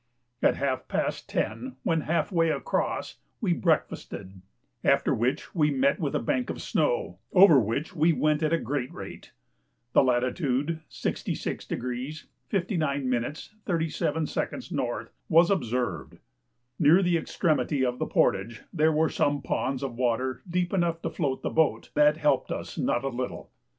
At half past 10, when half way across, we breakfasted, after which we met with a bank of snow, over which we went at a great rate. The latitude, 66° 59' 37" N., was observed. Near the extremity of the portage there were some ponds of water deep enough to float the boat, that helped us not a little.